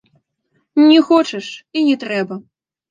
Не хочаш, і не трэба!